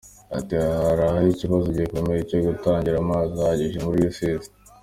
Ati “Hariho ikibazo gikomeye cyo kutagira amazi ahagije muri Rusizi.